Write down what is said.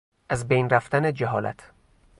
از بین رفتن جهالت